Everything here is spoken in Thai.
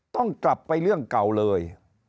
ต้องกลับไปเรื่องเก่าเลย